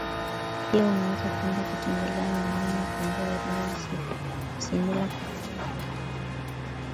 Pia unaweza kwenda kutembelea maeneo ya Kondoa irangi Isimila Kalenga na Bagamoyo